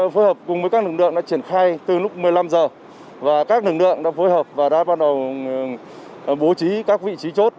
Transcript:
phối hợp cùng với các lực lượng đã triển khai từ lúc một mươi năm h và các lực lượng đã phối hợp và đã bắt đầu bố trí các vị trí chốt